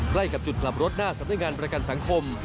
ใกล้กับจุดกลับรถหน้าสำนักงานประกันสังคม